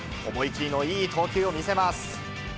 思い切りのいい投球を見せます。